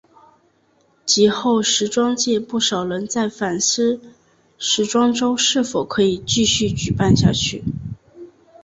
及后时装界不少人在反思时装周是否可以继续举办下去。